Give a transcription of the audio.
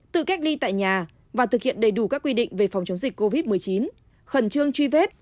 tự cách ly tại nhà và thực hiện đầy đủ các quy định về phòng chống dịch covid một mươi chín khẩn trương truy vết